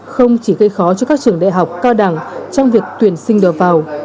không chỉ gây khó cho các trường đại học cao đẳng trong việc tuyển sinh đầu vào